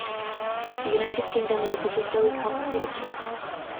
The United Kingdom is a particularly complicated case.